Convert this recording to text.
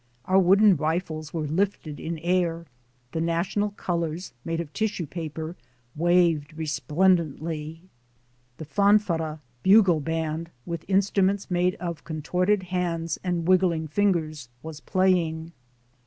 Our wooden rifles were lifted in air; the national colors, made of tissue paper, waved resplendently. The "fanfara" bugle band with instruments made of contorted hands and wiggling fingers, was playing.